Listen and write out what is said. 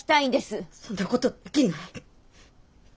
そんなことできない。